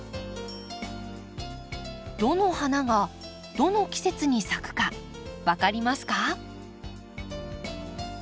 どの花がどの季節に咲くか分かりますか？